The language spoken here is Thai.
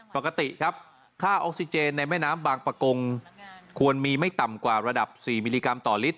ปกติครับค่าออกซิเจนในแม่น้ำบางประกงควรมีไม่ต่ำกว่าระดับ๔มิลลิกรัมต่อลิตร